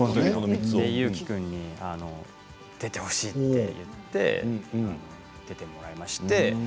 祐希君に出てほしいと言って出てもらいまして。